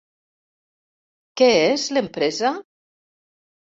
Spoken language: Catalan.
Què és l'empresa?